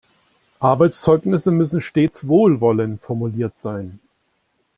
Arbeitszeugnisse müssen stets wohlwollend formuliert sein.